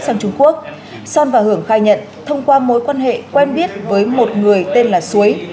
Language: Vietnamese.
sang trung quốc sơn và hưởng khai nhận thông qua mối quan hệ quen biết với một người tên là suối